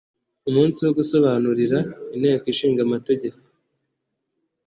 umunsi wo gusobanurira inteko ishinga amategeko